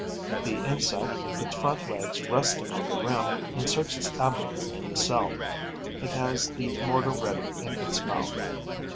The insect, with its front legs resting on the rim, inserts its abdomen in the cell; it has the mortar ready in its mouth.